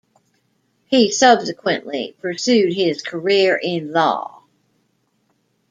He subsequently pursued his career in law.